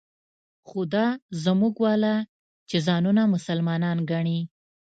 خو دا زموږ والا چې ځانونه مسلمانان ګڼي.